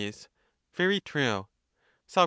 Very true. Soe.